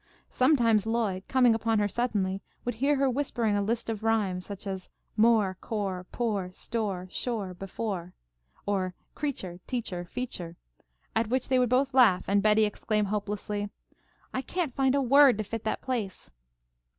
Sometimes Lloyd, coming upon her suddenly, would hear her whispering a list of rhymes such as more, core, pour, store, shore, before, or creature, teacher, feature, at which they would both laugh and Betty exclaim, hopelessly, "I can't find a word to fit that place."